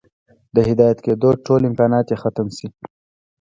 د هدايت كېدو ټول امكانات ئې ختم شي